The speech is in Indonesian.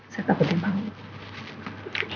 saya takut dia bangun